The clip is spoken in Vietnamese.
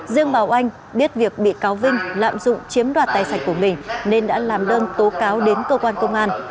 riêng bà oanh biết việc bị cáo vinh lạm dụng chiếm đoạt tài sản của mình nên đã làm đơn tố cáo đến cơ quan công an